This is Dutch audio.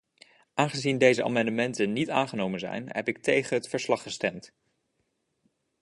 Aangezien deze amendementen niet aangenomen zijn, heb ik tegen het verslag gestemd.